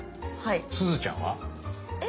すずちゃんは？え？